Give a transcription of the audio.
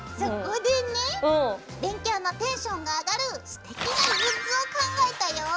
勉強のテンションが上がるすてきなグッズを考えたよ。